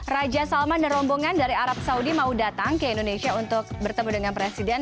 raja salman dan rombongan dari arab saudi mau datang ke indonesia untuk bertemu dengan presiden